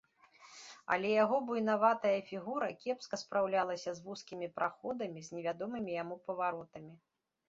Але яго буйнаватая фігура кепска спраўлялася з вузкімі праходамі, з невядомымі яму паваротамі.